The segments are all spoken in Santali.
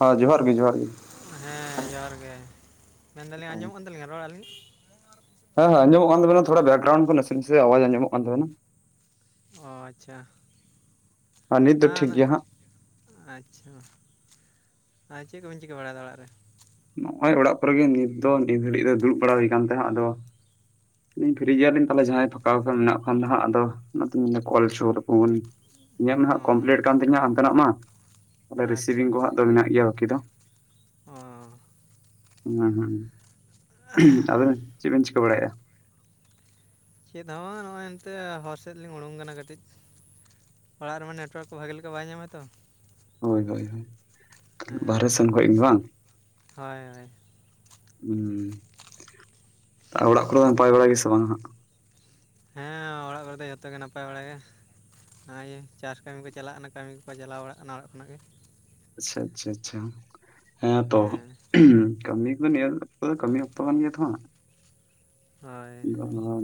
ᱦᱚᱸ ᱡᱚᱦᱟᱨ ᱜᱤ ᱡᱚᱦᱟᱨ ᱜᱮ ᱦᱮᱸ ᱡᱚᱦᱟᱨ ᱜᱮ ᱢᱮᱱᱫᱟᱞᱤᱧ ᱟᱸᱡᱚᱢᱚᱜ ᱠᱟᱱ ᱛᱟᱹᱞᱤᱧᱟ ᱨᱚᱲ ᱟᱹᱞᱤᱧ ᱦᱮᱸ ᱦᱮᱸ ᱟᱸᱡᱚᱢᱚᱜ ᱠᱟᱱ ᱛᱟᱵᱮᱱᱟ ᱛᱷᱚᱲᱟ ᱵᱮᱠᱜᱨᱩᱱᱰ ᱠᱚ ᱱᱟᱥᱮ ᱱᱟᱥᱮ ᱟᱣᱟᱡ ᱟᱸᱡᱚᱢᱚᱜ ᱠᱟᱱ ᱛᱟᱵᱮᱱᱟ। ᱚ ᱟᱪᱪᱷᱟ ᱟᱨ ᱱᱤᱛ ᱫᱚ ᱴᱷᱤᱠ ᱦᱟᱸᱱᱟ ᱜᱮᱭᱟ ᱦᱟᱸᱜ ᱟᱪᱪᱷᱟ ᱟᱨ ᱪᱮᱫ ᱠᱚᱵᱮᱱ ᱪᱤᱠᱟᱹ ᱵᱟᱲᱟᱭ ᱫᱟ ᱚᱲᱟᱜ ᱨᱮ। ᱱᱚᱜ ᱚᱭ ᱚᱲᱟᱜ ᱠᱚᱨᱮ ᱜᱮ ᱱᱤᱛ ᱫᱚ ᱱᱤᱛ ᱜᱷᱟᱹᱲᱤᱡ ᱫᱚ ᱫᱩᱲᱩᱵ ᱵᱟᱲᱟ ᱦᱩᱭ ᱟᱠᱟᱱ ᱛᱟᱦᱮᱸ ᱟᱫᱚ ᱤᱧ ᱯᱷᱤᱨᱤ ᱜᱮᱭᱟ ᱞᱤᱧ ᱛᱟᱦᱚᱞᱮ ᱡᱟᱦᱟᱸᱭ ᱯᱷᱟᱠᱟ ᱣᱟᱠᱟᱱ ᱢᱮᱱᱟᱜ ᱠᱚᱠᱷᱟᱱ ᱫᱚᱦᱟᱸᱜ ᱟᱫᱚ ᱚᱱᱟᱛᱮᱧ ᱢᱮᱱᱫᱟ ᱠᱚᱞᱦᱚᱪᱳ ᱟᱠᱚᱣᱟᱹᱧ। ᱤᱧᱟᱹᱜ ᱚ ᱱᱟᱦᱟᱜ ᱠᱚᱢᱯᱤᱞᱤᱴ ᱠᱟᱱ ᱛᱤᱧᱟ ᱦᱟᱱᱛᱮᱱᱟᱜ ᱢᱟ ᱛᱟᱦᱞᱮ ᱟᱪᱪᱷᱟ ᱨᱤᱥᱤᱵᱷᱤᱝ ᱠᱚᱦᱟᱸᱜ ᱫᱚ ᱢᱮᱱᱟᱜ ᱜᱮᱭᱟ ᱵᱟᱠᱤ ᱫᱚ। ᱚᱸᱻ ᱦᱮᱸ ᱦᱩᱸ ᱟᱫᱚ ᱪᱮᱫ ᱵᱮᱱ ᱪᱤᱠᱟᱹ ᱵᱟᱲᱟᱭᱮᱜᱼᱟ। ᱪᱮᱫ ᱦᱚᱸ ᱱᱚᱜᱼᱚᱭ ᱮᱱᱛᱮ ᱦᱚᱨ ᱥᱮᱫ ᱞᱤᱧ ᱩᱰᱩᱝ ᱠᱟᱱᱟ ᱠᱟᱹᱴᱤᱡ। ᱚᱲᱟᱜ ᱨᱮᱢᱟ ᱱᱮᱴᱣᱟᱨᱠ ᱠᱚ ᱵᱷᱟᱜᱮ ᱞᱮᱠᱟ ᱵᱟᱭ ᱧᱟᱢᱟ ᱛᱚ ᱦᱳᱭ ᱦᱳᱭ ᱦᱳᱭ ᱵᱟᱦᱨᱮ ᱦᱮᱸ ᱥᱮᱱ ᱠᱷᱚᱱ ᱜᱮ ᱵᱟᱝ ᱦᱳᱭ ᱦᱳᱭ ᱦᱩᱸ ᱟᱨ ᱚᱲᱟᱜ ᱠᱚᱨᱮ ᱱᱟᱯᱟᱭ ᱵᱟᱲᱟ ᱜᱮ ᱥᱮ ᱵᱟᱝ ᱦᱟᱸᱜ‌.? ᱦᱮᱸ ᱚᱲᱟᱜ ᱠᱚᱨᱮ ᱫᱚ ᱡᱚᱛᱚ ᱜᱮ ᱱᱟᱯᱟᱭ ᱵᱟᱲᱟ ᱜᱮ᱾ ᱱᱚᱜᱼᱤᱭᱟᱹ ᱪᱟᱥ ᱠᱟᱹᱢᱤ ᱠᱚ ᱪᱟᱞᱟᱜᱼᱟ ᱠᱟᱱᱟ ᱠᱟᱹᱢᱤ ᱠᱚᱠᱚ ᱪᱟᱞᱟᱣ ᱵᱟᱲᱟᱜ ᱚᱱᱟ ᱚᱲᱟᱜ ᱠᱷᱱᱟᱜ ᱜᱮ᱾ ᱟᱪᱪᱷᱟ ᱟᱪᱪᱷᱟ ᱟᱪᱪᱷᱟ ᱦᱮᱸ ᱛᱚ ᱠᱟᱹᱢᱤ ᱠᱚᱫᱚ ᱱᱤᱭᱟᱹ ᱫᱚ ᱠᱟᱹᱢᱤ ᱚᱠᱛᱚ ᱠᱟᱱ ᱜᱮᱭᱟ ᱛᱚ ᱦᱚᱸ ᱦᱳᱭ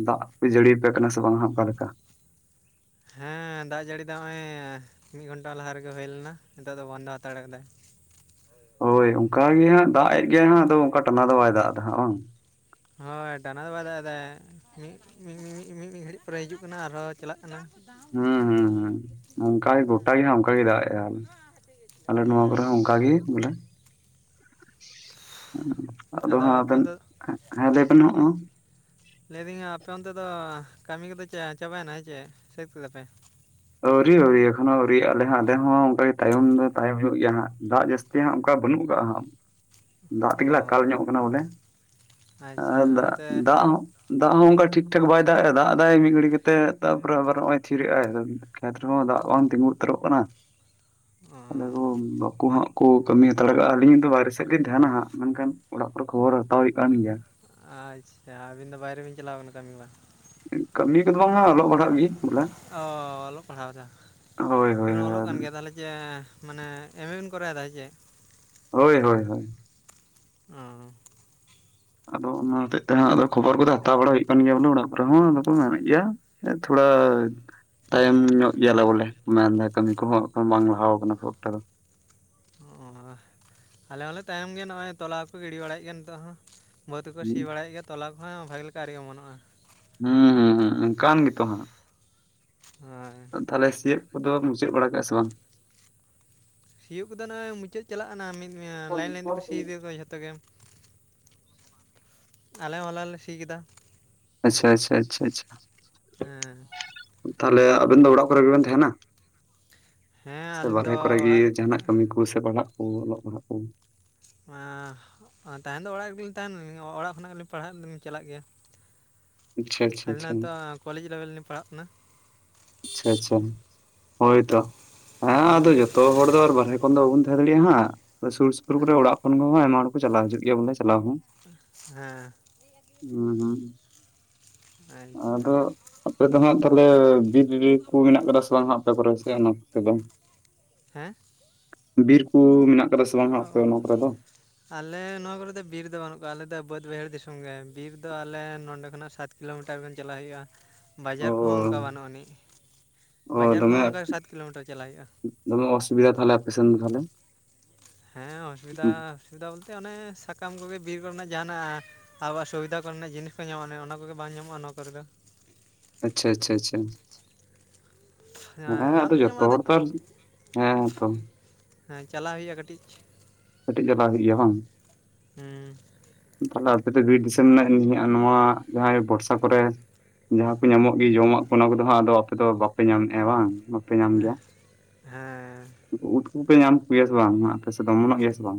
ᱫᱟᱜ ᱯᱮ ᱡᱟᱹᱲᱤᱭᱟᱯᱮ ᱠᱟᱱᱟ ᱥᱮ ᱵᱟᱝ ᱚᱠᱟᱞᱮᱠᱟ ᱦᱮᱸ ᱫᱟᱜ ᱡᱟᱹᱲᱤ ᱫᱚ ᱱᱚᱜᱼᱚᱭ ᱢᱤᱫ ᱜᱷᱚᱱᱴᱟ ᱞᱟᱦᱟ ᱨᱮᱜᱮ ᱦᱩᱭ ᱞᱮᱱᱟ ᱱᱤᱛᱚᱜ ᱫᱚ ᱵᱚᱱᱫᱚ ᱦᱟᱛᱟᱲ ᱠᱟᱫᱟᱭ ᱦᱳᱭ ᱚᱱᱠᱟ ᱜᱮ ᱦᱟᱸᱜ ᱫᱟᱜ ᱮᱫ ᱜᱮᱭᱟᱭ ᱦᱟᱸᱜ ᱟᱫᱚ ᱚᱱᱠᱟ ᱴᱟᱱᱟ ᱫᱚ ᱵᱟᱭ ᱫᱟᱜ ᱮᱫᱟ ᱦᱟᱸᱜ ᱵᱟᱝ ᱦᱳᱭ ᱴᱟᱱᱟ ᱫᱚ ᱵᱟᱭ ᱫᱟᱜᱫᱟ ᱢᱤᱫ [unintelligible] ᱢᱤᱢᱤᱫ ᱜᱷᱟᱹᱲᱤᱡ ᱯᱚᱨᱮ ᱦᱤᱡᱩᱜ ᱠᱟᱱᱟ ᱟᱨᱦᱚᱸ ᱪᱟᱞᱟᱜ ᱠᱟᱱᱟ ᱦᱩᱸ ᱦᱩᱸ ᱦᱩᱸ ᱚᱱᱠᱟ ᱜᱮ ᱜᱚᱴᱟ ᱜᱮᱦᱟᱸᱜ ᱚᱱᱠᱟ ᱜᱮ ᱫᱟᱜᱼᱮᱜ ᱟᱞᱮ ᱱᱚᱣᱟ ᱠᱚᱨᱮ ᱦᱚᱸ ᱦᱮᱸ ᱚᱱᱠᱟ ᱜᱮ ᱵᱚᱞᱮ ᱟᱫᱚ ᱦᱟᱸᱜ ᱟᱯᱮ ᱟᱵᱮᱱ ᱚᱱᱛᱮ ᱦᱮᱸ ᱞᱟᱹᱭ ᱵᱮᱱ ᱦᱚᱸᱜᱼᱚ ᱞᱟᱹᱭ ᱵᱤᱧᱟ ᱟᱯᱮ ᱚᱱᱛᱮ ᱫᱚ ᱠᱟᱹᱢᱤ ᱠᱚᱫᱚ ᱪᱮ ᱪᱟᱵᱟᱭᱮᱱᱟ ᱦᱮᱸ ᱪᱮ ᱥᱟᱹᱛ ᱠᱮᱫᱟᱯᱮ ᱟᱹᱣᱨᱤ ᱟᱹᱣᱨᱤ ᱮᱠᱷᱚᱱᱚ ᱟᱹᱣᱨᱤᱭᱟᱜᱼᱟ ᱞᱮ ᱦᱟᱸᱜ ᱟᱞᱮ ᱦᱚᱸ ᱚᱱᱠᱟ ᱜᱮ ᱛᱟᱭᱚᱢ ᱫᱚ ᱛᱟᱭᱚᱢ ᱦᱩᱭᱩᱜ ᱜᱮᱭᱟ ᱦᱟᱸᱜ ᱫᱟᱜ ᱡᱟᱹᱥ ᱱᱚᱛᱮ ᱦᱟᱸᱜ ᱚᱱᱠᱟ ᱵᱟᱹᱱᱩᱜ ᱠᱟᱜᱼᱟ। ᱦᱟᱸᱜ [inaudible] ᱫᱟᱜ ᱚ ᱛᱮᱜᱮ ᱞᱮ ᱟᱠᱟᱞ ᱧᱚᱜ ᱠᱟᱱᱟ ᱵᱚᱞᱮ ᱟᱪᱪᱷᱟ ᱮᱸ ᱫᱟᱜ ᱚᱱᱛᱮ ᱫᱟᱜ ᱦᱚᱸ ᱫᱟᱜ ᱦᱚᱸ ᱚᱱᱠᱟ ᱴᱷᱤᱠ ᱴᱷᱟᱠ ᱵᱟᱭ ᱫᱟᱜ ᱮ ᱫᱟᱜ ᱫᱟᱭ ᱢᱤᱫ ᱜᱷᱟᱹᱲᱤ ᱠᱟᱛᱮ ᱛᱟᱯᱚᱨᱮ ᱟᱵᱟᱨ ᱱᱚᱜᱼᱚᱭ ᱛᱷᱤᱨᱮᱜᱼ ᱟᱭ ᱠᱷᱮᱛ ᱨᱮᱦᱚᱸ ᱫᱟᱜ ᱵᱟᱝ ᱛᱤᱸᱜᱩ ᱩᱛᱟᱹᱨᱚᱜ ᱠᱟᱱᱟ ᱚ ᱛᱟᱞᱮ ᱜᱚᱢ ᱵᱟᱹᱠᱩ ᱦᱟᱸᱜ ᱠᱚ ᱠᱟᱹᱢᱤ ᱦᱟᱛᱟᱲ ᱠᱟᱜᱼᱟ ᱟᱹᱞᱤᱧ ᱦᱚᱸᱛᱚ ᱵᱟᱦᱨᱮ ᱥᱮᱫ ᱞᱤᱧ ᱛᱟᱦᱮᱱᱟ ᱦᱟᱸᱜ ᱢᱮᱱᱠᱷᱟᱱ ᱚᱲᱟᱜ ᱠᱚᱨᱮ ᱠᱷᱚᱵᱚᱨ ᱦᱟᱛᱟᱣ ᱦᱩᱭᱩᱜ ᱠᱟᱱ ᱜᱮᱭᱟ᱾ ᱟᱪᱪᱷᱟ ᱟᱹᱵᱤᱱ ᱫᱚ ᱵᱟᱦᱨᱮ ᱵᱤᱱ ᱪᱟᱞᱟᱣ ᱠᱟᱱᱟ ᱠᱟᱹᱢᱤ ᱵᱟᱝ? ᱠᱟᱹᱢᱤ ᱠᱚᱫᱚ ᱵᱟᱝ ᱦᱟᱸᱜ ᱚᱞᱚᱜ ᱯᱟᱲᱦᱟᱜ ᱜᱤ ᱵᱚᱞᱮ ᱚ ᱚᱞᱚᱜ ᱯᱟᱲᱦᱟᱣ ᱫᱟ ᱦᱳᱭ ᱦᱳᱭ ᱚᱞᱚᱜ ᱦᱳᱭ ᱾ ᱠᱟᱱ ᱜᱮᱭᱟ ᱛᱟᱞᱮ ᱪᱮ ᱢᱟᱱᱮ ᱮᱢ ᱮ ᱵᱮᱱ ᱠᱚᱨᱟᱣᱮᱫᱟ ᱪᱮᱜ? ᱦᱳᱭ ᱦᱳᱭ ᱦᱳᱭ ᱾ ᱟᱸᱻ ᱟᱫᱚ ᱚᱱᱟ ᱦᱚᱛᱮᱡ ᱛᱮᱦᱟᱸᱜ ᱟᱫᱚ ᱠᱷᱚᱵᱚᱨ ᱠᱚᱫᱚ ᱦᱟᱛᱟᱣ ᱵᱟᱲᱟ ᱦᱩᱭᱩᱜ ᱠᱟᱱ ᱜᱮᱭᱟ ᱵᱚᱞᱮ ᱚᱲᱟᱜ ᱠᱚᱨᱮ ᱦᱚᱸ ᱟᱫᱚ ᱠᱚ ᱢᱮᱱᱮᱫ ᱜᱮᱭᱟ ᱼᱼ ᱮ ᱛᱷᱚᱲᱟᱠ ᱛᱟᱭᱚᱢ ᱧᱚᱜ ᱜᱮᱭᱟᱞᱮ ᱵᱚᱞᱮ ᱢᱮᱱᱫᱟ ᱠᱟᱹᱢᱤ ᱠᱚᱦᱚᱸ ᱵᱟᱝ ᱞᱟᱦᱟᱣ ᱠᱟᱱᱟ ᱠᱷᱚᱠᱴᱟ ᱫᱚ᱾ ᱚᱸᱻ ᱟᱞᱮ ᱦᱚᱸᱞᱮ ᱛᱟᱭᱚᱢ ᱜᱮ ᱱᱚᱜᱼᱚᱭ ᱛᱚᱞᱟ ᱠᱚ ᱜᱤᱰᱤ ᱵᱟᱲᱟᱭᱮᱜ ᱠᱟᱱ ᱱᱤᱛᱚᱜ ᱦᱚᱸ᱾ ᱵᱟᱹᱫᱽ ᱠᱚᱠᱚ ᱥᱤ ᱦᱩᱸ ᱵᱟᱲᱟᱭᱮᱜ ᱜᱮᱭᱟ ᱛᱚᱞᱟ ᱠᱚᱦᱚᱸ ᱵᱷᱟᱜᱮ ᱞᱮᱠᱟ ᱟᱹᱣᱨᱤ ᱚᱢᱚᱱᱚᱜᱼᱟ ᱾ ᱦᱩᱸᱻᱦᱩᱸᱻ ᱚᱱᱠᱟᱱ ᱜᱮᱛᱚ ᱦᱟᱸᱜ ᱾ ᱦᱳᱭ ᱛᱟᱦᱞᱮ ᱥᱤᱭᱩᱜ ᱠᱚᱫᱚᱢ ᱢᱩᱪᱟᱹᱫ ᱵᱟᱲᱟ ᱠᱟᱜᱼᱟ ᱥᱮ ᱵᱟᱝ? ᱥᱤᱭᱩᱜ ᱠᱚᱫᱚ ᱱᱚᱜᱼᱚᱭ ᱢᱩᱪᱮᱹᱫ ᱪᱟᱞᱟᱜ ᱱᱟᱦᱟᱸᱜ ᱢᱤᱫ ᱞᱟᱭᱤᱱ ᱞᱟᱭᱤᱱ ᱛᱮᱠᱚ ᱥᱤ ᱣᱟᱠᱟᱫ ᱡᱷᱚᱛᱚ ᱜᱮ᱾ ᱟᱞᱮ ᱦᱚᱞᱟ ᱞᱮ ᱥᱤ ᱠᱮᱫᱟ ᱾ ᱟᱪᱪᱷᱟ ᱟᱪᱪᱷᱟ ᱟᱪᱷᱟ ᱟᱪᱷᱟ ᱦᱮᱸ ᱾ ᱛᱟᱦᱚᱞᱮ ᱟᱵᱮᱱ ᱫᱚ ᱚᱲᱟᱜ ᱠᱚᱨᱮ ᱜᱮᱵᱮᱱ ᱛᱟᱦᱮᱱᱟ ᱦᱮᱸ ᱥᱮ ᱟᱹᱞᱤᱧ ᱫᱚ ᱵᱟᱨᱦᱮ ᱠᱚᱨᱮ ᱜᱤ ᱚᱲᱟᱜ ᱨᱮ ᱡᱟᱦᱟᱸᱱᱟᱜ ᱠᱟᱹᱢᱤ ᱠᱚ ᱥᱮ ᱯᱟᱲᱦᱟᱜ ᱠᱚ ᱚᱞᱚᱜ ᱯᱟᱲᱦᱟᱜ ᱠᱚ ᱾ ᱮᱸᱻ ᱛᱟᱦᱮᱱ ᱫᱚ ᱚᱲᱟᱜ ᱨᱮᱜᱮ ᱞᱤᱧ ᱛᱟᱦᱮᱱ ᱚᱲᱟᱜ ᱠᱷᱚᱱᱟᱜ ᱜᱮᱞᱤᱧ ᱯᱟᱲᱦᱟᱜ ᱫᱚᱧ ᱪᱟᱞᱟᱜ ᱜᱮᱭᱟ ᱾ ᱟᱪᱪᱷᱟ ᱟᱪᱪᱷᱟ ᱟᱞᱮ ᱟᱪᱪᱷᱟ ᱫᱚ ᱠᱚᱞᱮᱡᱽ ᱞᱮᱵᱮᱞ ᱞᱤᱧ ᱯᱟᱲᱦᱟᱜ ᱠᱟᱱᱟ ᱾ ᱟᱪᱪᱷᱟ ᱟᱪᱪᱷᱟ ᱦᱳᱭᱛᱚ ᱦᱮᱸ ᱟᱫᱚ ᱦᱳᱭ ᱡᱚᱛᱚ ᱦᱚᱲ ᱫᱚ ᱵᱟᱨᱦᱮ ᱼᱼ ᱠᱷᱚᱱ ᱫᱚ ᱵᱟᱵᱚᱱ ᱫᱟᱲᱮᱭᱟᱜ ᱦᱟᱸᱜ ᱥᱩᱨ ᱥᱩᱯᱩᱨ ᱠᱚᱨᱮ ᱚᱲᱟᱜ ᱠᱷᱚᱱ ᱦᱚᱸ ᱟᱭᱢᱟ ᱦᱚᱲ ᱠᱚ ᱪᱟᱞᱟᱣ ᱦᱤᱡᱩᱜ ᱜᱮᱭᱟ ᱵᱚᱞᱮ ᱪᱟᱞᱟᱣ ᱦᱚᱸ᱾ ᱦᱮᱸ ᱼᱼ [unintelligible] ᱟᱪᱪᱷᱟ ᱟᱫᱚ ᱼᱼ ᱟᱯᱮ ᱫᱚ ᱦᱟᱸᱜ ᱛᱟᱞᱮ ᱵᱤᱨ ᱨᱤᱨᱤ ᱢᱮᱱᱟᱜ ᱠᱟᱫᱟ ᱥᱮ ᱵᱟᱝ ᱦᱟᱸᱜ ᱟᱯᱮ ᱠᱚᱨᱮ ᱥᱮᱜ ᱱᱚᱛᱮ ᱫᱚ? ᱦᱮᱸ ᱼᱼ ᱵᱤᱨ ᱠᱩ ᱢᱮᱱᱟᱜ ᱠᱟᱫᱟ ᱥᱮ ᱵᱟᱝ ᱦᱟᱸᱜ ᱟᱯᱮ ᱚ ᱚᱱᱟ ᱠᱚᱨᱮ ᱫᱚ? ᱟᱞᱮ ᱱᱚᱣᱟ ᱠᱚᱨᱮ ᱫᱚ ᱵᱤᱨ ᱫᱚ ᱵᱟᱹᱱᱩᱜ ᱠᱟᱜ-ᱟ ᱟᱞᱮ ᱫᱚ ᱵᱟᱹᱫᱽ ᱵᱟᱹᱭᱦᱟᱹᱲ ᱫᱤᱥᱚᱢ ᱜᱮ ᱵᱤᱨ ᱫᱚ ᱟᱞᱮ ᱱᱚᱸᱰᱮ ᱠᱷᱚᱱᱟᱜ ᱥᱟᱛ ᱼᱼ ᱠᱤᱞᱳ ᱢᱤᱴᱟᱨ ᱵᱮᱱ ᱪᱟᱞᱟᱜ ᱦᱩᱭᱩᱜᱼᱟ᱾ ᱚ ᱵᱟᱡᱟᱨ ᱠᱚᱦᱚᱸ ᱚᱝᱠᱟ ᱵᱟᱹᱱᱩᱜ ᱟᱹᱱᱤᱡ ᱚ ᱵᱟᱡᱟᱨ ᱫᱚᱢᱮ ᱠᱚᱦᱚᱸ ᱚᱝᱠᱟ ᱥᱟᱛ ᱠᱤᱞᱳ ᱢᱤᱴᱟᱨ ᱪᱟᱞᱟᱜ ᱦᱩᱭᱩᱜᱼᱟ ᱾ ᱫᱚᱢᱮ ᱚᱥᱩᱵᱤᱫᱷᱟ ᱛᱟᱦᱞᱮ ᱟᱯᱮ ᱥᱮᱱ ᱫᱚ ᱛᱟᱦᱞᱮ᱾ ᱦᱮᱸ ᱚᱥᱩᱵᱤᱫᱟ ᱚᱥᱩᱵᱤᱫᱟ ᱵᱚᱞᱛᱮ ᱚᱱᱮ ᱥᱟᱠᱟᱢ ᱠᱚᱜᱮ ᱵᱤᱨ ᱠᱚᱨᱮᱱᱟᱜ ᱡᱟᱦᱟᱱᱟᱜ ᱼᱼ ᱟᱵᱚᱣᱟᱜ ᱥᱩᱵᱤᱫᱷᱟ ᱠᱚᱨᱮᱱᱟᱜ ᱡᱤᱱᱤᱥ ᱠᱚ ᱧᱟᱢᱚᱜᱼᱟ ᱚᱱᱮ ᱚᱱᱟ ᱠᱚᱜᱮ ᱵᱟᱝ ᱧᱟᱢᱚᱜᱼᱟ ᱱᱚᱣᱟ ᱠᱚᱨᱮ ᱫᱚ ᱾ ᱟᱪᱪᱷᱟ ᱟᱪᱪᱷᱟ ᱟᱪᱪᱷᱟ ᱾ ᱦᱮᱸ ᱧᱟᱢ ᱟᱫᱚ ᱫᱚ ᱡᱚᱛᱚ ᱧᱟᱢᱚᱜᱼᱟ ᱦᱚᱲ ᱛᱟᱞ ᱦᱮᱸ ᱛᱚ ᱼᱼ ᱦᱮᱸ ᱪᱟᱞᱟᱣ ᱦᱩᱭᱩᱜᱼᱟ ᱠᱟᱹᱴᱤᱡ ᱾ ᱠᱟᱹᱴᱤᱡ ᱪᱟᱞᱟᱣ ᱦᱩᱭᱩᱜ-ᱟ ᱵᱟᱝ? ᱦᱮᱸ ᱾ ᱛᱟᱦᱞᱮ ᱟᱯᱮ ᱫᱚ ᱵᱤᱨ ᱫᱤᱥᱚᱢ ᱱᱮᱜ ᱱᱤᱭᱟᱹᱜᱼᱟ ᱱᱚᱣᱟ ᱡᱟᱦᱟᱸᱭ ᱵᱚᱨᱥᱟ ᱠᱚᱨᱮ ᱼᱼ ᱡᱟᱦᱟᱸ ᱠᱚ ᱧᱟᱢᱚᱜ ᱜᱤ ᱡᱚᱢᱟᱜ ᱠᱚ ᱚᱱᱟ ᱠᱚᱫᱚ ᱦᱟᱸᱜ ᱟᱫᱚ ᱟᱯᱮ ᱫᱚ ᱵᱟᱯᱮ ᱧᱟᱢᱮᱜᱼᱟ ᱵᱟᱝ? ᱯᱮ ᱧᱟᱢ ᱜᱮᱭᱟ ᱦᱮᱸ ᱩᱫ ᱠᱚᱯᱮ ᱧᱟᱢ ᱠᱚ ᱜᱮᱭᱟ ᱥᱮ ᱵᱟᱝ ᱦᱟᱸᱜ ᱟᱯᱮᱥᱮᱫ ᱫᱚ ᱚᱢᱚᱱᱚᱜ ᱜᱮᱭᱟ ᱥᱮ ᱵᱟᱝ?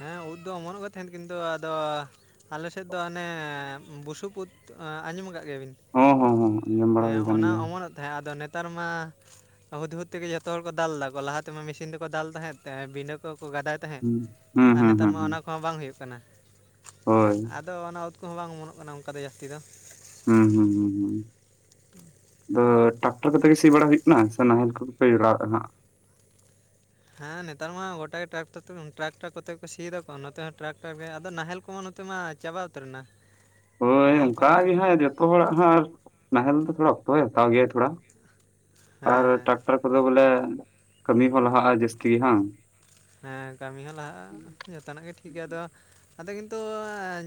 ᱦᱮᱸ ᱩᱫ ᱫᱚ ᱚᱢᱚᱱᱚᱜ ᱜᱮ ᱛᱟᱦᱮᱱ ᱠᱤᱱᱛᱩ ᱟᱫᱚ ᱼᱼ ᱟᱞᱮᱥᱮᱜ ᱫᱚ ᱚᱱᱮ ᱵᱩᱥᱩᱵ ᱩᱫ ᱟᱸᱡᱚᱢ ᱠᱟᱜ ᱜᱮᱭᱟ ᱵᱤᱱ ᱦᱚᱸ ᱦᱚᱸ ᱦᱚᱸ ᱟᱸᱡᱚᱢ ᱾ ᱵᱟᱲᱟ ᱦᱮᱸ ᱦᱩᱭ ᱟᱠᱟᱱ ᱚᱱᱟ ᱜᱮᱭᱟ ᱚᱢᱚᱱᱚᱜ ᱛᱟᱦᱮᱸᱜ ᱟᱫᱚ ᱱᱮᱛᱟᱨ ᱢᱟ ᱼᱼ ᱦᱩᱫᱽᱼᱦᱩᱫᱽ ᱛᱮᱜᱮ ᱡᱚᱛᱚ ᱦᱚᱲ ᱠᱚ ᱫᱟᱞ ᱫᱟᱠᱚ ᱞᱟᱦᱟᱛᱮᱢᱟ ᱢᱤᱥᱤᱱ ᱛᱮᱠᱚ ᱫᱟᱞ ᱛᱟᱦᱮᱸᱜ ᱛᱮ ᱵᱤᱱᱰᱟᱹ ᱠᱚᱠᱚ ᱜᱟᱫᱟᱭ ᱛᱟᱦᱮᱸᱫ ᱾ ᱦᱩᱸ [unintelligible] ᱟᱨ ᱱᱮᱛᱟᱨ ᱦᱩᱸ ᱢᱟ ᱦᱩᱸ ᱚᱱᱟ ᱠᱚᱢᱟ ᱵᱟᱝ ᱦᱩᱭᱩᱜ ᱠᱟᱱᱟ, ᱦᱳᱭ ᱟᱫᱚ ᱚᱱᱟ ᱩᱫᱽ ᱠᱚᱦᱚᱸ ᱵᱟᱝ ᱚᱢᱚᱱᱚᱜ ᱠᱟᱱᱟ ᱚᱱᱠᱟ ᱫᱚ ᱡᱟᱹᱥᱛᱤ ᱫᱚ ᱦᱩᱸ, ᱦᱩᱸ, ᱦᱩᱸ, ᱦᱩᱸ, ᱦᱮᱸ [unintelligible] ᱟᱫᱚ ᱴᱟᱠᱴᱚᱨ ᱠᱚᱛᱮ ᱜᱮ ᱥᱤ ᱵᱟᱲᱟ ᱦᱩᱭᱩᱜ ᱠᱟᱱᱟ ᱥᱮ ᱱᱟᱦᱮᱞ ᱠᱚᱯᱮ [unintelligible] ‌ ᱦᱟᱸᱜ? ᱦᱮᱸ ᱱᱮᱛᱟᱨ ᱢᱟ ᱜᱚᱴᱟ ᱜᱮ ᱴᱨᱟᱠᱴᱚᱨ ᱠᱚᱛᱮ ᱠᱚ ᱥᱤᱭ ᱮᱫᱟᱠᱚ ᱱᱚᱛᱮ ᱦᱚᱸ ᱴᱨᱟᱠᱴᱚᱨ ᱜᱮ ᱟᱫᱚ ᱱᱟᱦᱮᱞ ᱠᱚᱦᱚᱸ ᱱᱚᱛ ᱛᱮ ᱢᱟ ᱪᱟᱵᱟ ᱩᱛᱟᱹᱨ ᱮᱱᱟ᱾ ᱦᱳᱭ ᱱᱟᱦᱮᱞ ᱚᱱᱠᱟ ᱠᱚᱢᱟ ᱜᱮ ᱦᱟᱸᱜ ᱡᱚᱛᱚ ᱦᱚᱲᱟᱜ ᱦᱟᱜ ᱟᱨ ᱱᱟᱦᱮᱞ ᱫᱚ ᱛᱷᱚᱲᱟ ᱚᱠᱛᱚᱭ ᱦᱟᱛᱟᱣ ᱜᱮᱭᱟ ᱛᱷᱚᱲᱟ, ᱟᱨ ᱦᱮᱸ ᱴᱟᱠᱴᱚᱨ ᱠᱚᱫᱚ ᱵᱚᱞᱮ ᱠᱟᱹᱢᱤ ᱦᱚᱸ ᱞᱟᱦᱟᱜᱼᱟ ᱡᱟᱹᱥᱛᱤ ᱦᱟᱸ ᱦᱮᱸ ᱠᱟᱹᱢᱤ ᱦᱚᱸ ᱞᱟᱦᱟᱜᱼᱟ, ᱡᱚᱛᱚᱱᱟᱜ ᱜᱮ ᱴᱷᱤᱠ ᱜᱮᱭᱟ, ᱟᱫᱚ ᱟᱫᱚ ᱠᱤᱱᱛᱩ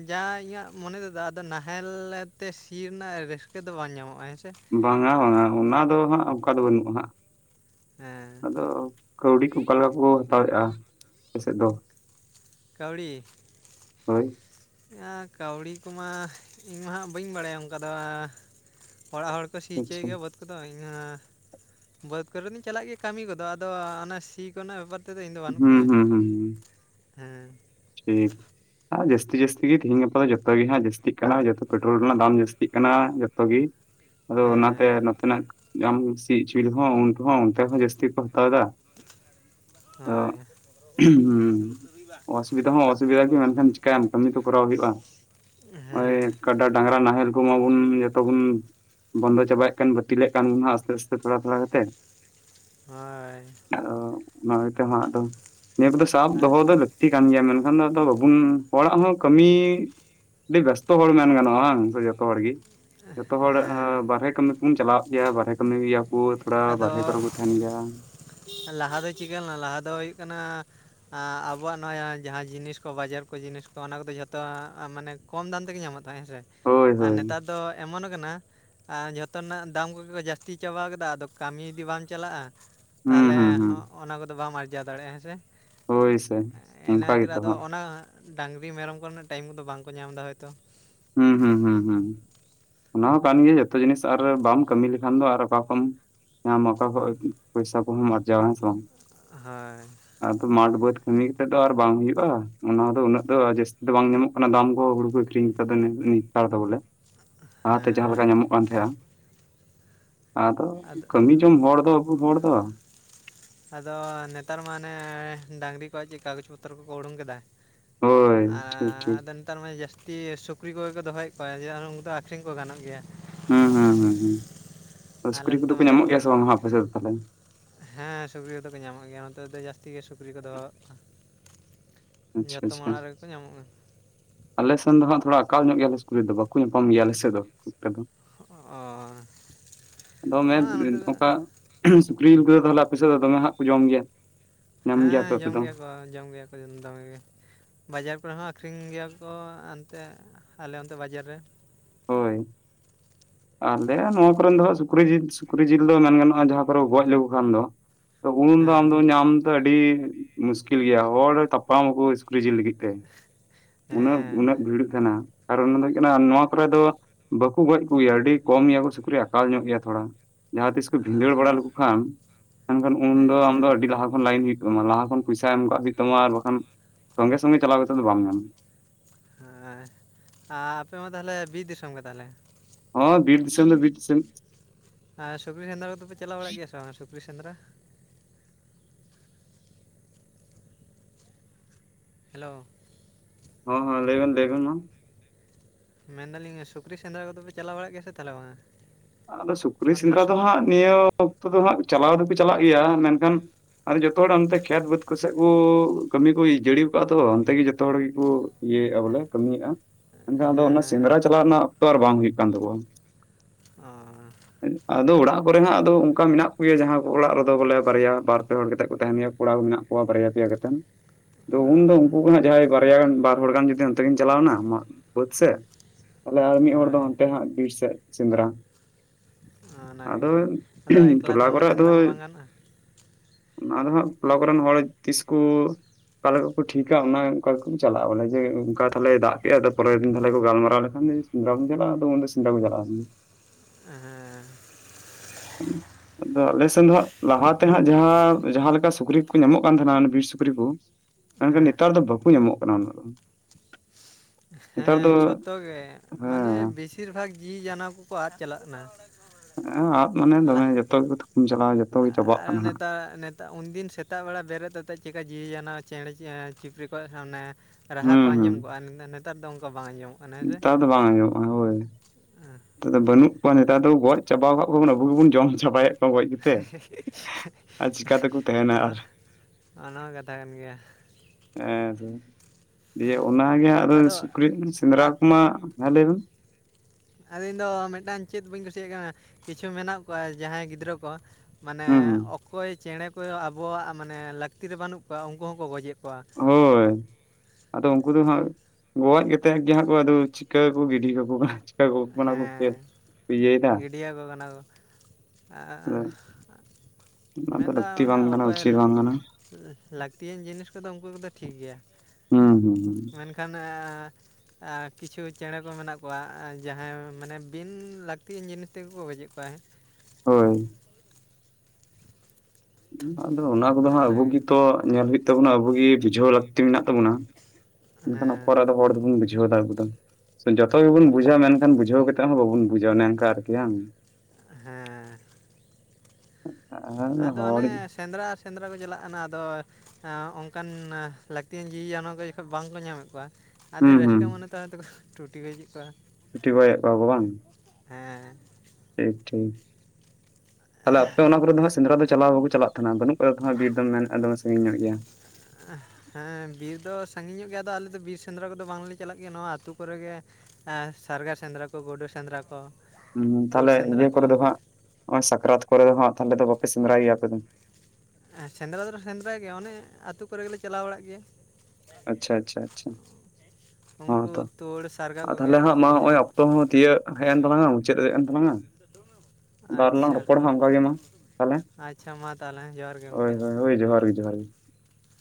ᱡᱟ ᱤᱧᱟᱹᱜ ᱢᱚᱱᱮ ᱮᱫᱟ ᱞᱮᱫᱟ ᱱᱟᱦᱮᱞ ᱛᱮ ᱥᱤ ᱨᱮᱱᱟᱜ ᱨᱟᱹᱥᱠᱟᱹ, ᱪᱮᱫ ᱦᱚᱸ ᱵᱟᱝ ᱧᱟᱢᱚᱜᱼᱟ ᱦᱮᱸ ᱥᱮ? ᱵᱟᱝᱟ ᱵᱟᱝᱟ ᱚᱱᱟ ᱫᱚ ᱦᱟᱸᱜ ᱚᱱᱠᱟ ᱫᱚ ᱵᱟᱹᱱᱩᱜᱼᱟ ᱦᱟᱸᱜ, ᱦᱮᱸ ᱟᱫᱚ ᱠᱟᱹᱣᱰᱤ ᱠᱚ ᱚᱠᱟ ᱞᱮᱠᱟ ᱠᱚ ᱦᱟᱛᱟᱣᱮᱜᱼᱟ ᱟᱯᱮ ᱥᱮᱫ ᱫᱚ? ᱠᱟᱹᱣᱲᱤ? ᱦᱳᱭ, ᱠᱟᱹᱣᱰᱤ ᱠᱚᱢᱟ ᱤᱧᱢᱟ ᱦᱟᱸᱜ ᱵᱟᱹᱧ ᱵᱟᱲᱟᱭᱟ ᱚᱱᱠᱟ ᱫᱚ ᱚᱲᱟᱜ ᱦᱚᱲ ᱠᱚ ᱥᱤ ᱦᱚᱪᱚᱭ ᱟᱪᱪᱷᱟ ᱜᱮ ᱵᱟᱹᱫᱽ ᱠᱚᱫᱚ ᱤᱧ ᱵᱟᱹᱫᱽ ᱠᱚᱨᱮ ᱫᱚᱧ ᱪᱟᱞᱟᱜ ᱜᱮᱭᱟ ᱠᱟᱹᱢᱤ ᱠᱚᱫᱚ ᱟᱫᱚ ᱚᱱᱟ ᱥᱤ ᱠᱚᱨᱮᱱᱟᱜ ᱵᱮᱯᱟᱨ ᱛᱮᱫᱚ ᱤᱧ ᱫᱚ ᱵᱟᱹᱱᱩᱜ ᱦᱩᱸ ᱛᱤᱧᱟᱹ ᱦᱩᱸ ᱦᱩᱸ ᱦᱩᱸ ᱦᱮᱸ ᱾ ᱴᱷᱤᱠ, ᱡᱟᱹᱥᱛᱤ ᱡᱟᱹᱥᱛᱤ ᱜᱮ ᱛᱤᱦᱮᱧ ᱜᱟᱯᱟ ᱫᱚ ᱡᱚᱛᱚ ᱜᱮ ᱦᱟᱸᱜ ᱡᱟᱹᱥᱛᱤᱜ ᱠᱟᱱᱟ ᱡᱚᱛᱚ ᱯᱮᱴᱨᱳᱞ ᱨᱮᱱᱟᱜ ᱫᱟᱢ ᱡᱟᱹᱥᱛᱤᱜ ᱠᱟᱱᱟ ᱡᱚᱛᱚ ᱜᱮ᱾ [inaudible] ᱟᱫᱚ ᱚᱱᱟᱛᱮ ᱱᱚᱛᱮᱱᱟᱜ ᱡᱟᱢ ᱥᱤ ᱦᱚᱪᱚᱭ ᱨᱮᱦᱚᱸ ᱩᱱ ᱛᱮᱦᱚᱸ ᱚᱱᱛᱮ ᱦᱚᱸ ᱡᱟᱹᱥᱛᱤ ᱠᱚ ᱦᱟᱛᱟᱣ ᱮᱫᱟ᱾ ᱟᱫᱚ ᱦᱳᱭ, ᱥᱩᱵᱤᱫᱷᱟ ᱦᱚᱸ ᱚᱥᱩᱵᱤᱫᱟ ᱜᱮ ᱢᱮᱱᱠᱷᱟᱱ ᱪᱤᱠᱟᱭᱟᱢ ᱠᱟᱹᱢᱤ ᱛᱚ ᱠᱚᱨᱟᱣ ᱦᱩᱭᱩᱜᱼᱟ, ᱦᱮᱸ ᱱᱚᱜᱚᱭ ᱠᱟᱰᱟ ᱰᱟᱝᱜᱨᱟ ᱱᱟᱦᱮᱞ ᱢᱟᱵᱚᱱ ᱡᱚᱛᱚ ᱵᱚᱱ ᱵᱚᱱᱫᱚ ᱪᱟᱵᱟᱭᱮᱜ ᱠᱟᱱ ᱵᱟᱹᱛᱤᱞ ᱮᱫ ᱠᱟᱱ ᱟᱥᱛᱮᱼᱟᱥᱛᱮ ᱛᱷᱚᱲᱟ ᱛᱷᱚᱲᱟ ᱠᱟᱛᱮ᱾ ᱦᱳᱭ ᱚᱱᱟ ᱜᱮ ᱟᱫᱚ ᱱᱤᱭᱟᱹ ᱠᱚᱫᱚ ᱥᱟᱵ ᱟ- ᱫᱚᱦᱚ ᱫᱚ ᱠᱟᱱ ᱜᱮᱭᱟ, ᱢᱮᱱᱠᱷᱟᱱ ᱫᱚ ᱟᱫᱚ ᱵᱟᱵᱚᱱ ᱦᱚᱲᱟᱜ ᱦᱚᱸ ᱠᱟᱹᱢᱤ ᱟᱹᱰᱤ ᱵᱮᱥᱛᱚ ᱦᱚᱲ ᱢᱮᱱ ᱜᱟᱱᱚᱜᱼᱟ ᱩᱱᱠᱩ ᱡᱚᱛᱚ ᱦᱚᱲ ᱜᱮ ᱡᱚᱛᱚ ᱦᱚᱲ ᱦᱮᱸ ᱵᱟᱨᱦᱮ ᱠᱟᱹᱢᱤ ᱠᱚ ᱪᱟᱞᱟᱜ ᱜᱮᱭᱟ ᱵᱟᱨᱦᱮ ᱠᱟᱹᱢᱤᱭ ᱜᱮᱭᱟ ᱠᱚ ᱛᱷᱚᱲᱟ ᱟᱫᱚ ᱵᱟᱨᱦᱮ ᱠᱚᱨᱮ ᱠᱚ ᱛᱟᱦᱮᱸᱱ ᱜᱮᱭᱟ᱾ ᱞᱟᱦᱟ ᱫᱚ ᱪᱤᱠᱟᱹ ᱞᱮᱱᱟ ᱞᱟᱦᱟ ᱫᱚ ᱦᱩᱭᱩᱜ ᱠᱟᱱᱟ, ᱟᱵᱚᱣᱟᱜ ᱱᱚᱣᱟ ᱡᱟᱦᱟᱸ ᱡᱤᱱᱤᱥ ᱠᱚ ᱵᱟᱡᱟᱨ ᱠᱚ ᱡᱤᱱᱤᱥ ᱠᱚ ᱚᱱᱟ ᱠᱚᱫᱚ ᱡᱷᱚᱛᱚ ᱢᱟᱱᱮ ᱠᱚᱢ ᱫᱟᱢ ᱛᱮᱜᱮ ᱧᱟᱢᱚᱜ ᱛᱟᱦᱮᱸ ᱦᱮᱸ ᱥᱮ᱾ ᱦᱳᱭ ᱟᱨ ᱦᱳᱭ ᱱᱮᱛᱟᱨ ᱫᱚ ᱮᱢᱚᱱ ᱠᱟᱱᱟ ᱟᱨ ᱡᱷᱚᱛᱚ ᱨᱮᱱᱟᱜ ᱫᱟᱢ ᱠᱚᱜᱮ ᱠᱚ ᱡᱟᱹᱥᱛᱤ ᱪᱟᱵᱟ ᱠᱮᱫᱟ ᱟᱫᱚ ᱠᱟᱹᱢᱤ ᱡᱩᱫᱤ ᱵᱟᱢ ᱪᱟᱞᱟᱜᱼᱟ ᱦᱩᱸ ᱛᱟᱦᱮᱞᱮ ᱦᱩᱸ ᱦᱩᱸ ᱦᱚᱸ ᱚᱱᱟ ᱠᱚᱫᱚ ᱵᱟᱢ ᱟᱨᱡᱟᱣ ᱫᱟᱲᱮᱭᱟᱜᱼᱟ ᱦᱮᱸ ᱥᱮ, ᱦᱳᱭ ᱥᱮ ᱤᱱᱟᱹ ᱚᱱᱠᱟ ᱠᱷᱟᱹᱛᱤᱨ ᱜᱮᱛᱚ ᱟᱫᱚ ᱦᱟᱸᱜ ᱚᱱᱟ ᱰᱟᱝᱜᱨᱤ ᱢᱮᱨᱚᱢ ᱠᱚᱨᱮᱱᱟᱜ ᱴᱟᱭᱤᱢ ᱠᱚᱫᱚ ᱵᱟᱝᱠᱚ ᱧᱟᱢ ᱮᱫᱟ ᱦᱚᱭᱛᱚ᱾ ᱦᱩᱸ, ᱦᱩᱸ, ᱦᱩᱸ, ᱦᱩᱸ, ᱚᱱᱟ ᱦᱚᱸ ᱠᱟᱱ ᱜᱮᱭᱟ ᱡᱚᱛᱚ ᱡᱤᱱᱤᱥ ᱟᱨ ᱵᱟᱢ ᱠᱟᱹᱢᱤ ᱞᱮᱠᱷᱟᱱ ᱫᱚ ᱟᱨ ᱚᱠᱟ ᱠᱚᱢ ᱧᱟᱢᱟ ᱚᱠᱟ ᱠᱷᱚᱱ ᱯᱩᱭᱥᱟ ᱠᱚᱦᱚᱸ ᱚᱨᱡᱟᱣᱟ ᱦᱮᱸ‌ᱥᱮ ᱵᱟᱝ᱾ ᱦᱳᱭ, ᱟᱫᱚ ᱢᱟᱴᱷ ᱵᱟᱹᱫᱽ ᱠᱟᱹᱢᱤ ᱠᱟᱛᱮᱫ ᱫᱚ ᱟᱨ ᱵᱟᱝ ᱦᱩᱭᱩᱜᱼᱟ ᱚᱱᱟ ᱫᱚ ᱩᱱᱟᱹᱜ ᱫᱚ ᱡᱟᱹᱥᱛᱤ ᱫᱚ ᱵᱟᱝ ᱧᱟᱢᱚᱜ ᱠᱟᱱᱟ ᱫᱟᱢ ᱠᱚ ᱦᱩᱲᱩ ᱟᱹᱠᱷᱨᱤᱧ ᱱᱮᱛᱟᱨ ᱫᱚ ᱵᱚᱞᱮ ᱞᱟᱦᱟᱛᱮ ᱡᱟᱦᱟᱸ ᱦᱮᱸ ᱞᱮᱠᱟ ᱧᱟᱢᱚᱜ ᱠᱟᱱ ᱛᱟᱦᱮᱸᱟ᱾ ᱟᱫᱚ ᱠᱟᱹᱢᱤ ᱡᱚᱝ ᱦᱚᱲ ᱫᱚ ᱟᱵᱚ ᱦᱚᱲ ᱫᱚ, ᱟᱫᱚ ᱱᱮᱛᱟᱨ ᱢᱟ ᱟᱱᱮ ᱰᱟᱝᱨᱤ ᱠᱚᱣᱟᱜ ᱪᱮᱫ ᱠᱟᱜᱚᱡᱽ ᱯᱚᱛᱨᱚ ᱠᱚᱠᱚ ᱳᱰᱚᱠ ᱠᱮᱫᱟ, ᱦᱳᱭ ᱟ ᱴᱷᱤᱠ ᱴᱷᱤᱠ ᱟ [unintelligible] ᱛᱟᱨᱢᱟᱱᱮ ᱡᱟᱹᱥᱛᱤ ᱥᱩᱠᱨᱤ ᱠᱚᱜᱮ ᱠᱚ ᱫᱚᱦᱚᱭᱮᱫ ᱠᱚᱣᱟ ᱡᱮ ᱩᱱᱠᱩ ᱫᱚ ᱟᱠᱷᱨᱤᱧ ᱠᱚ ᱜᱟᱱᱚᱜ ᱜᱮᱭᱟ᱾ ᱦᱩᱸ, ᱦᱩᱸ, ᱦᱩᱸ, ᱦᱩᱸ, ᱟᱫᱚ ᱟᱞᱮ ᱥᱩᱠᱨᱤ ᱠᱚᱫᱚ ᱱᱚᱛᱮ ᱠᱚ ᱢᱟ ᱧᱟᱢᱚᱜ ᱡᱟᱹᱥᱛᱤ ᱜᱮᱭᱟ ᱥᱮ ᱵᱟᱝ ᱟ ᱟᱯᱮ ᱥᱮᱫ ᱫᱚ ᱛᱟᱦᱚᱞᱮ? ᱦᱮᱸ ᱥᱩᱠᱨᱤ ᱠᱚᱫᱚ ᱠᱚ ᱧᱟᱢᱚᱜ ᱜᱮᱭᱟ ᱱᱚᱛᱮ ᱫᱚ ᱡᱟᱹᱥᱛᱤ ᱜᱮ ᱥᱩᱠᱨᱤ ᱠᱚ ᱫᱚ ᱟᱪᱪᱷᱟ ᱡᱚᱛᱚ ᱟᱪᱪᱷᱟ ᱚᱲᱟᱜ ᱨᱮᱜᱮ ᱧᱟᱢᱚᱜᱼᱟ ᱟᱞᱮᱥᱮᱱ ᱫᱚ ᱦᱟᱸᱜ ᱛᱚᱲᱟ ᱟᱠᱟᱞ ᱧᱚᱜ ᱜᱮᱭᱟᱞᱮ ᱥᱩᱠᱨᱤ ᱫᱚ ᱵᱟᱠᱩ ᱧᱟᱯᱟᱢ ᱜᱮᱭᱟ ᱟᱞᱮᱥᱮᱜ ᱫᱚ [unintelligible] [unintelligible] ᱫᱚᱢᱮ ᱵᱟᱝ ᱱᱚᱛᱮ [unintelligible] ᱫᱚ ᱱᱚᱝᱠᱟ ᱥᱩᱠᱨᱤ ᱡᱤᱞ ᱠᱩᱫᱚ ᱛᱟᱞᱦᱮ ᱟᱯᱮ ᱥᱮᱜ ᱫᱚ ᱫᱚᱢᱮ ᱦᱟᱸᱜ ᱠᱩ ᱡᱚᱢ ᱜᱮᱭᱟ᱾ ᱧᱟᱢ ᱜᱮᱭᱟ ᱦᱮᱸ ᱯᱮ ᱟᱯᱮ ᱡᱚᱢ ᱫᱚ ᱜᱮᱭᱟ ᱠᱚ ᱡᱚᱢ ᱜᱮᱭᱟ ᱠᱚ ᱫᱚᱢᱮ ᱜᱮ᱾ ᱵᱟᱡᱟᱨ ᱠᱚᱨᱮ ᱦᱚᱸ ᱟᱹᱠᱷᱨᱤᱧ ᱜᱮᱭᱟ ᱠᱚ ᱟᱱᱛᱮ ᱟᱞᱮ ᱚᱱᱛᱮ ᱵᱟᱡᱟᱨ ᱨᱮ᱾ ᱦᱳᱭ ᱟᱞᱮ ᱱᱚᱣᱟ ᱠᱚᱨᱮᱱ ᱫᱚᱦᱟᱸ ᱥᱩᱠᱨᱤ ᱡᱤᱞ ᱥᱩᱠ ᱥᱩᱠᱨᱤ ᱡᱤᱞ ᱫᱚ ᱢᱮᱱ ᱜᱟᱱᱚᱜᱼᱟ ᱡᱟᱦᱟᱸ ᱠᱚᱨᱮ ᱠᱩ ᱜᱚᱡ ᱞᱤᱠᱩ ᱠᱷᱟᱱ ᱫᱚ ᱛᱚ ᱩᱱ ᱫᱚ ᱟᱢ ᱦᱮᱸ ᱫᱚᱢ ᱧᱟᱢ ᱫᱚ ᱟᱹᱰᱤ ᱢᱩᱥᱠᱤᱞ ᱜᱮᱭᱟ ᱦᱚᱲ ᱛᱟᱯᱟᱢᱟᱠᱩ ᱥ ᱥᱩᱠᱨᱤ ᱡᱤᱞ ᱞᱟᱹᱜᱤᱜ ᱛᱮ ᱩᱱᱟᱹᱜ ᱦᱮᱸ ᱩᱱᱟᱹᱜ ᱵᱷᱤᱲᱤᱜ ᱛᱟᱦᱮᱱᱟ ᱟᱨ ᱚᱱᱟ ᱫᱚ ᱦᱩᱭᱩᱜ ᱠᱟᱱᱟ ᱱᱚᱣᱟ ᱠᱚᱨᱟᱭ ᱫᱚ ᱵᱟᱠᱩ ᱜᱚᱡ ᱠᱚᱜᱮᱭᱟ ᱟᱹᱰᱤ ᱠᱚᱢ ᱜᱮᱭᱟ ᱠᱩ ᱥᱩᱠᱨᱤ ᱟᱠᱟᱞ ᱧᱚᱸᱜ ᱜᱮᱭᱟ ᱛᱷᱚᱲᱟ᱾ ᱡᱟᱦᱟᱸ ᱛᱤᱥ ᱠᱩ ᱵᱷᱤᱸᱫᱟᱹᱲ ᱵᱟᱲᱟ ᱞᱤᱠᱩ ᱠᱷᱟᱱ ᱢᱮᱱᱠᱷᱟᱱ ᱩᱱᱫᱚ ᱟᱢ ᱟᱪᱪᱷᱟ ᱫᱚ ᱟᱹᱰᱤ ᱞᱟᱦᱟ ᱠᱷᱚᱱ ᱞᱟᱭᱤᱱ ᱦᱩᱭᱩᱜ ᱞᱟᱦᱟ ᱠᱷᱚᱱ ᱯᱚᱭᱥᱟ ᱮᱢ ᱠᱟᱜ ᱦᱩᱭ ᱛᱟᱢᱟ ᱟᱨ ᱵᱟᱠᱷᱟᱱ ᱥᱚᱸᱜᱮ ᱥᱚᱸᱜᱮ ᱪᱟᱞᱟᱣ ᱠᱟᱛᱮᱜ ᱫᱚ ᱵᱟᱢ ᱧᱟᱢᱼᱟ᱾ ᱦᱮᱸ ᱟᱯᱮ ᱟᱯᱮᱦᱚᱸ ᱛᱟᱦᱞᱮ ᱵᱤᱨ ᱫᱤᱥᱚᱢ ᱠᱜᱮ ᱛᱟᱞᱦᱮ ᱦᱚᱸ ᱵᱤᱨ ᱫᱤᱥᱟ. ᱢ ᱫᱚ ᱵᱤᱨ ᱫᱤᱥᱟᱹᱢ᱾ ᱟᱨ ᱥᱩᱠᱨᱤ ᱥᱮᱸᱱᱫᱟ ᱠᱚᱫᱚᱯᱮ ᱪᱟᱞᱟᱣ ᱵᱟᱲᱟᱜ ᱜᱮᱭᱟ ᱥᱮ ᱵᱟᱝ ᱥᱩᱠᱨᱤ ᱥᱮᱸᱫᱽᱨᱟ? ᱦᱮᱞᱳ ᱦᱚᱸ ᱦᱚᱸ ᱞᱟᱹᱭ ᱵᱮᱱ ᱞᱟᱹᱭ ᱵᱮᱱ ᱢᱟ ᱢᱮᱱᱫᱟᱞᱤᱝ ᱥᱩᱠᱨᱤ ᱥᱮᱸᱫᱽᱨᱟ ᱠᱚᱫᱚ ᱯᱮ ᱪᱟᱞᱟᱣ ᱵᱟᱲᱟᱜ ᱜᱮᱭᱟ ᱥᱮ ᱛᱟᱞᱦᱮ ᱵᱟᱝ? ᱟᱸᱜᱫᱚ ᱥᱩᱠᱨᱤ ᱥᱮᱸᱫᱽᱨᱟ ᱫᱚ ᱦᱟᱸᱜ ᱱᱤᱭᱟᱹ ᱚᱠᱛᱚ ᱫᱚ ᱦᱟᱸᱜ ᱪᱟᱞᱟᱣ ᱫᱩᱠᱩ ᱪᱟᱞᱟᱜ ᱜᱮᱭᱟ ᱢᱮᱱᱠᱷᱟᱱ ᱟᱫᱚ ᱡᱚᱛᱚᱦᱚᱲ ᱚᱱᱛᱮ ᱠᱷᱮᱛ ᱵᱟᱹᱛ ᱠᱚᱥᱮᱜ ᱠᱩ ᱠᱟᱹᱢᱤ ᱠᱩᱭ ᱡᱟᱹᱲᱤ ᱟᱠᱟᱜᱼᱟ ᱛᱚᱦᱚ ᱚᱱᱛᱮ ᱜᱤ ᱡᱚᱛᱚ ᱦᱚᱲ ᱜᱤᱠᱩ ᱤᱭᱟᱹ ᱭᱮᱜᱼᱟ ᱵᱚᱞᱮ ᱠᱟᱹᱢᱤᱭᱮᱜᱼᱟ᱾ ᱢᱮᱱᱠᱷᱟᱱ ᱟᱫᱚ ᱚᱱᱟ ᱥᱮᱸᱫᱽᱨᱟ ᱦᱮᱸ ᱪᱟᱞᱟᱜ ᱨᱮᱱᱟᱜ ᱚᱠᱛᱚ ᱟᱨ ᱵᱟᱝ ᱦᱩᱭᱩᱜ ᱠᱟᱱ ᱛᱟᱠᱚᱣᱟ ᱾ ᱚᱸᱻ ᱟᱫᱚ ᱚᱲᱟᱜ ᱠᱚᱨᱮᱦᱟᱜ ᱟᱫᱚ ᱚᱱᱠᱟ ᱢᱮᱱᱟᱜ ᱠᱩᱭᱮᱭᱟ ᱡᱟᱦᱟᱸ ᱠᱚ ᱚᱲᱟᱜ ᱨᱮᱫᱚ ᱵᱚᱞᱮ ᱵᱟᱨᱭᱟ ᱵᱟᱨ ᱯᱮ ᱦᱚᱲ ᱠᱟᱛᱮᱜ ᱠᱚ ᱛᱟᱦᱮᱱ ᱜᱮᱭᱟ ᱠᱚᱲᱟ ᱦᱚ ᱢᱮᱱᱟᱜ ᱠᱚᱣᱟ ᱵᱟᱨᱭᱟ ᱯᱮᱭᱟ ᱠᱟᱛᱮᱱ᱾ ᱩᱱ ᱫᱚ ᱩᱱᱠᱩ ᱚ ᱠᱚ ᱦᱟᱸᱜ ᱡᱟᱦᱟᱸᱭ ᱵᱟᱨᱭᱟ ᱜᱟᱱ ᱵᱟᱨ ᱦᱚᱲ ᱜᱟᱱ ᱡᱩᱫᱤ ᱚᱱᱛᱮ ᱠᱤᱱ ᱪᱟᱞᱟᱣᱱᱟ ᱢᱟᱜ ᱵᱟᱹᱫ ᱥᱮᱜ ᱛᱟᱦᱞᱮ ᱟᱨ ᱢᱤᱫ ᱦᱚᱲ ᱫᱚ ᱦᱳᱭ ᱦᱟᱱᱛᱮ ᱦᱟᱸᱜ ᱵᱤᱨ ᱥᱮᱫ ᱥᱮᱸᱫᱽᱨᱟ᱾ ᱚᱱᱟᱜᱮ ᱟᱫᱚᱭ ᱟᱫᱚ ᱮᱠᱞᱟ ᱴᱚᱞᱟ ᱛᱮᱦᱚᱸ ᱢᱟ ᱠᱚᱨᱮ ᱥᱮᱸᱫᱽᱨᱟ ᱢᱟ ᱫᱳᱦᱳᱭ ᱵᱟᱝ ᱜᱟᱱᱚᱜᱼᱟ ᱚᱱᱟ ᱫᱚ ᱦᱟᱸᱜ ᱴᱚᱞᱟ ᱠᱚᱨᱮᱱ ᱦᱚᱲ ᱛᱤᱥ ᱠᱩ ᱚᱠᱟᱞᱮᱠᱟ ᱠᱩ ᱴᱷᱤᱠᱟ ᱚᱱᱟ ᱚᱠᱟᱠᱩᱠᱩ ᱪᱟᱞᱟᱜᱼᱟ ᱵᱚᱞᱮ ᱡᱮ ᱚᱱᱠᱟ ᱛᱟᱞᱮ ᱫᱟᱜ ᱠᱮᱜᱼᱟᱭ ᱛᱟᱯᱚᱨᱮ‌ ᱫᱤᱱ ᱛᱟᱞᱮ ᱠᱩ ᱜᱟᱞᱢᱟᱨᱟᱣ ᱞᱮᱠᱷᱟᱱ [unintelligible] [unintelligible] ᱪᱟᱞᱟᱜ-ᱟ [unintelligible] ᱦᱮᱸ [unintelligible] ᱟᱫᱚ ᱟᱞᱮᱥᱮᱱ ᱫᱚ ᱦᱟᱸᱜ ᱞᱟᱦᱟᱛᱮᱦᱟᱸᱜ ᱡᱟᱦᱟᱸ ᱡᱟᱦᱟᱸᱞᱮᱠᱟ ᱥᱩᱠᱨᱤ ᱠᱩᱠᱩ ᱧᱟᱢᱚᱜ ᱠᱟᱱ ᱛᱟᱦᱮᱱᱟᱵᱤᱨ ᱥᱩᱠᱨᱤ ᱠᱩ [inaudible] ᱢᱮᱱᱠᱷᱟᱱ ᱱᱮᱛᱟᱨ ᱫᱚ ᱵᱟᱠᱩ ᱧᱟᱢᱚᱜ ᱠᱟᱱᱟ ᱩᱱᱟᱜ ᱫᱚ᱾ ᱱᱮᱛᱟᱨ ᱫᱚ ᱦᱮᱸ ᱡᱷᱚᱛᱚ ᱜᱮ ᱢᱟᱱᱮ ᱦᱮᱸ ᱵᱤᱥᱤᱨ ᱵᱷᱟᱜᱤ ᱡᱤᱣᱤ ᱡᱟᱱᱟ ᱠᱚᱠᱚ ᱟᱫ ᱪᱟᱞᱟᱜ ᱠᱟᱱᱟ᱾ ᱦᱮᱸ ᱟᱫ ᱢᱟᱱᱮ ᱫᱚᱢᱮ ᱞᱟᱦᱟ ᱡᱚᱛᱚ ᱜᱮᱠᱚ ᱛᱷᱩᱠᱩᱢ ᱪᱟᱞᱟᱣ [unintelligible] [unintelligible] ᱱᱮᱛᱟᱨ ᱱᱮᱛ ᱩᱱᱫᱤᱱ ᱥᱮᱛᱟᱜ ᱵᱮᱲᱟ ᱵᱮᱨᱮᱜ ᱟᱛᱮᱫ ᱪᱤᱠᱟ ᱡᱤᱣᱤ ᱡᱟᱱᱟᱣ ᱪᱮᱬᱮ ᱪᱮᱬᱮ ᱪᱤᱯᱨᱩ ᱠᱚᱣᱟᱜ ᱥᱟᱢᱱᱮ ᱨᱟᱦᱟ ᱠᱚ ᱦᱩᱸ ᱟᱸᱡᱚᱢ ᱠᱚᱜᱼᱟ ᱱᱮ ᱱᱮᱛᱟᱨ ᱫᱚ ᱚᱱᱠᱟ ᱵᱟᱝ ᱟᱸᱡᱚᱢᱚᱜ ᱠᱟᱱᱟ ᱦᱮᱸᱥᱮ ᱱᱮᱛᱟ ᱫᱚ ᱵᱟᱝ ᱟᱸᱡᱚᱢᱚᱜ ᱠᱟᱱᱟ ᱦᱳᱭ᱾ [unintelligible] ᱱᱮᱛᱟᱨ ᱫᱚ ᱵᱟᱹᱱᱩᱜ ᱠᱚᱣᱟ ᱱᱮᱛᱟᱨ ᱫᱚ ᱜᱚᱡ ᱪᱟᱵᱟ ᱟᱠᱟᱜ ᱠᱩᱣᱟ ᱵᱚᱱ ᱟᱵᱩ ᱜᱮᱵᱩᱱ ᱡᱚᱢ ᱪᱟᱵᱟᱭᱮᱜ ᱜᱚᱡ ᱠᱮᱛᱮ ᱟᱨ ᱪᱤᱠᱟ ᱛᱮᱠᱚ ᱛᱟᱦᱮᱱᱟ ᱟᱨ᱾ ᱚᱱᱟ ᱚᱱᱟ ᱢᱟ ᱠᱟᱛᱟ ᱠᱟᱱ ᱜᱮᱭᱟ᱾ ᱦᱮᱸ [unintelligible] ᱫᱤᱭᱟ. ᱚᱱᱟ ᱜᱮᱦᱟᱸᱜ ᱟᱫᱚ ᱥᱩᱠᱨᱤ ᱥᱮᱸᱫᱽᱨᱟ ᱠᱩᱢᱟ ᱦᱮᱸ ᱞᱟᱹᱭ ᱢᱮ᱾ ᱟᱞᱤᱧ ᱫᱚ ᱢᱤᱜᱴᱟᱝ ᱪᱮᱫ ᱵᱟᱹᱧ ᱠᱩᱥᱤᱭᱟᱜ ᱠᱟᱱᱟ ᱠᱤᱪᱷᱩ ᱢᱮᱱᱟᱜ ᱠᱚᱣᱟ ᱡᱟᱦᱟᱸᱭ ᱜᱤᱫᱽᱨᱟᱹ ᱠᱚ ᱢᱟᱱᱮ ᱦᱩᱸ ᱚᱠᱚᱭ ᱪᱮᱬᱮ ᱠᱚ ᱟᱵᱚᱣᱟᱜ ᱢᱟᱱᱮ ᱞᱟᱹᱠᱛᱤᱨᱮ ᱵᱟᱹᱱᱩᱜ ᱠᱚᱣᱟ ᱩᱱᱠᱩ ᱦᱚᱸᱠᱚ ᱜᱚᱡᱮᱫ ᱠᱚᱣᱟ᱾ ᱦᱳᱭ᱾ ᱟᱫᱚ ᱩᱱᱠᱩ ᱫᱚ ᱦᱟᱸᱜ ᱜᱚᱡ ᱠᱟᱛᱮᱫ ᱜᱮ ᱦᱟᱸᱜ ᱟᱫᱚ ᱪᱤᱠᱟᱹ ᱠᱚ ᱜᱤᱰᱤ ᱠᱟᱠᱚᱣᱟ᱾ ᱦᱮᱸ ᱜᱤᱰᱤᱭᱟ ᱠᱚ ᱠᱟᱱᱟ ᱠᱚ᱾ ᱚᱱᱟ ᱫᱚ ᱢᱮᱱᱫᱟ ᱞᱟᱹᱠᱛᱤ ᱚᱱᱟ ᱵᱟᱝ ᱠᱟᱱᱟ ᱚᱠᱚᱭ ᱩᱪᱤᱛ ᱵᱟᱝ ᱠᱟᱱᱟ ᱞᱟᱹᱠᱛᱤᱭᱟᱱ ᱡᱤᱱᱤᱥ ᱠᱚᱫᱚ ᱩᱱᱠᱩ ᱠᱚᱫᱚ ᱴᱷᱤᱠ ᱜᱮᱭᱟ ᱦᱩᱸ ᱦᱩᱸ ᱢᱮᱱ ᱠᱷᱟᱱ ᱮ ᱠᱤᱪᱷᱩ ᱪᱮᱬᱮ ᱠᱚ ᱢᱮᱱᱟᱜ ᱠᱚᱣᱟ, ᱡᱟᱦᱟᱸᱭ ᱢᱟᱱᱮ ᱵᱤᱱ ᱞᱟᱹᱠᱛᱤᱭᱟᱱ ᱡᱤᱱᱤᱥ ᱛᱮᱜᱮ ᱠᱚ ᱜᱚᱡᱮᱫ ᱠᱚᱣᱟ ᱦᱮᱸ᱾ ᱦᱳᱭ ᱟᱫᱚ ᱚᱱᱟ ᱠᱚᱫᱚ ᱦᱟᱸᱜ ᱟᱵᱚ ᱚᱱᱟᱜᱮ ᱜᱮᱛᱚ ᱧᱮᱞ ᱦᱩᱭᱩᱜ ᱛᱟᱵᱚᱱᱟ ᱟᱵᱩ ᱜᱮ ᱵᱩᱡᱷᱟᱹᱣ ᱞᱟᱹᱠᱛᱤ ᱢᱮᱱᱟᱜ ᱛᱟᱵᱚᱱᱟ᱾ ᱢᱮᱱᱠᱷᱟᱱ ᱚᱠᱚᱨ ᱦᱮᱸ ᱟᱫᱚ ᱦᱚᱲ ᱫᱚᱵᱚᱱ ᱵᱩᱡᱷᱟᱹᱣ ᱫᱟ ᱟᱵᱚ ᱫᱚ ᱡᱚᱛᱚ ᱜᱮᱵᱚᱱ ᱚᱱᱟ ᱵᱩᱡᱷᱟᱹᱣᱟ ᱢᱮᱱ ᱮᱱᱠᱷᱟᱱ ᱵᱩᱡᱷᱟᱹᱣ ᱠᱟᱛᱮᱫ ᱦᱚᱸ ᱵᱟᱵᱚᱱ ᱵᱩᱡᱟ ᱚᱱᱮ ᱚᱝᱠᱟ ᱟᱨᱠᱤ ᱦᱟᱝ? ᱦᱮᱸ᱾ [unintelligible] ᱟᱫᱚ ᱦᱚᱲ ᱚᱱᱮ ᱥᱮᱸᱫᱽᱨᱟ ᱟᱨ ᱥᱮᱸᱫᱽᱨᱟ ᱠᱚ ᱪᱟᱞᱟᱜ ᱠᱟᱱᱟ ᱟᱫᱚ ᱦᱮᱸ ᱚᱱᱠᱟᱱ ᱞᱟᱹᱠᱛᱤᱭᱟᱱ ᱡᱤᱣᱤ ᱟᱱ ᱚᱱᱟ ᱠᱚ ᱡᱚᱠᱷᱚᱱ ᱵᱟᱝᱠᱚ ᱧᱟᱢᱮᱫ ᱠᱚᱣᱟ ᱟᱰᱤ ᱦᱩᱸ ᱦᱩᱸ ᱨᱟᱹᱥᱠᱟᱹ ᱢᱚᱱᱮᱛᱮ ᱦᱚᱭᱛᱚᱠᱚ ᱴᱩᱴᱤ ᱜᱚᱡ ᱠᱚᱣᱟ᱾ ᱴᱩᱴᱤ ᱜᱚᱡ ᱮᱫ ᱠᱚᱣᱟ ᱠᱚ ᱵᱟᱝ? ᱦᱮᱸ ᱴᱷᱤᱠ ᱴᱷᱤᱠ ᱛᱟᱦᱞᱮ ᱟᱯᱮ ᱚᱱᱟ ᱠᱚᱨᱮᱫ ᱫᱚ ᱦᱟᱜ ᱥᱮᱸᱫᱽᱨᱟ ᱫᱚ ᱪᱟᱞᱟᱣ ᱵᱟᱠᱚ ᱪᱟᱞᱟᱜ ᱵᱟᱹᱱᱩᱜ ᱠᱟᱫᱟᱜ ᱛᱚ ᱵᱤᱨ ᱫᱚᱢ ᱢᱮᱱ ᱮᱫ ᱟ ᱫᱚᱢᱮ ᱥᱟᱺᱜᱤᱧ ᱧᱚᱜ ᱜᱮᱭᱟ᱾ [unintelligible] ᱦᱮᱸ ᱵᱤᱨ ᱫᱚ ᱥᱟᱺᱜᱤᱧ ᱧᱚᱜ ᱜᱮᱭᱟ ᱟᱫᱚ ᱟᱞᱮ ᱫᱚ ᱵᱤᱨ ᱥᱮᱸᱫᱽᱨᱟ ᱠᱚᱫᱚ ᱵᱟᱝᱞᱮ ᱪᱟᱞᱟᱜ ᱜᱮᱭᱟ ᱱᱚᱣᱟ ᱟᱹᱛᱩ ᱠᱚᱨᱮ ᱜᱮ ᱮᱸ ᱥᱟᱨᱜᱟᱨ ᱥᱮᱸᱫᱽᱨᱟ ᱠᱚ ᱜᱳᱰᱳ ᱥᱮᱸᱫᱽᱨᱟ ᱠᱚ ᱦᱩᱸ ᱛᱩᱲ ᱛᱟᱦᱞᱮ ᱥᱮᱸᱫᱽᱨᱟ ᱤᱭᱟᱹ ᱠᱚᱨᱮ ᱠᱚ ᱫᱚ ᱦᱟᱸᱜ ᱱᱚᱜᱼᱚᱭ ᱥᱟᱠᱨᱟᱛ ᱠᱚᱨᱮ ᱫᱚ ᱦᱟᱸᱜ ᱛᱟᱦᱚᱞᱮ ᱫᱚ ᱵᱟᱯᱮ ᱥᱮᱸᱫᱽᱨᱟᱭ ᱜᱮᱭᱟ ᱟᱯᱮ ᱫᱚ? ᱦᱮ ᱥᱮᱸᱫᱽᱨᱟ ᱫᱚᱞ ᱥᱮᱸᱫᱽᱨᱟ ᱜᱮᱭᱟ ᱚᱱᱮ ᱟᱹᱛᱩ ᱠᱚᱨᱮ ᱜᱮᱞᱮ ᱪᱟᱞᱟᱣ ᱵᱟᱲᱟᱜ ᱜᱮᱭᱟ᱾ ᱟᱪᱪᱷᱟ ᱟᱪᱪᱷᱟ ᱟᱪᱪᱷᱟ ᱦᱚᱸ ᱩᱱᱠᱩ ᱛᱚ ᱛᱩᱲ ᱥᱟᱨᱜᱟ ᱠᱚᱜᱮ ᱛᱟᱦᱚᱞᱮ ᱟᱨ ᱦᱟᱸᱜ ᱢᱟ ᱪᱮᱞᱮ? ᱱᱚᱜᱼᱚᱭ ᱚᱠᱛᱚ ᱦᱚᱸ ᱛᱤᱭᱟᱹᱜ ᱦᱮᱡ ᱮᱱ ᱛᱟᱞᱟᱝᱼᱟ ᱢᱩᱪᱟᱹᱫ ᱦᱮᱡ ᱮᱱ ᱛᱟᱞᱟᱝᱼᱟ ᱟᱪᱪᱷᱟ ᱜᱮ ᱢᱟ ᱛᱟᱦᱚᱞᱮ ᱟᱪᱪᱷᱟ ᱢᱟ ᱛᱟᱦᱚᱞᱮ ᱡᱚᱦᱟᱨ ᱜᱮ ᱦᱳᱭ ᱜᱚᱝᱠᱮ᱾ ᱦᱳᱭ ᱦᱳᱭ ᱡᱚᱦᱟᱨ ᱜᱮ ᱡᱚᱦᱟᱨ ᱜᱮ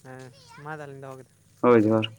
ᱦᱮᱸ ᱢᱟ ᱛᱟᱦᱚᱞᱮᱧ ᱫᱚᱦᱚ ᱠᱮᱫᱟ᱾ ᱦᱳᱭ ᱡᱚᱦᱟᱨ᱾